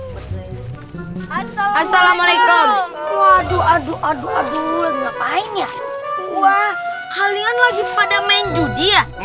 waduh aduh aduh aduh waduh waduh apa aina gue sake god vog wildlife